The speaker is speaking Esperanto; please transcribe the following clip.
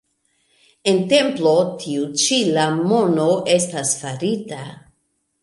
En templo tiu ĉi la mono estas farita.